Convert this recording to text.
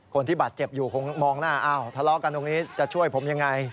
คนที่บาดเจ็บอยู่คงมองหน้าอ้าวทะเลาะกันตรงนี้จะช่วยผมยังไง